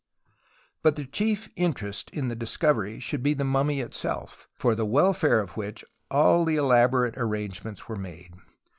But the chief interest in the discovery should be in the mimimy itself, for the welfare of which all the elaborate arrangements were made.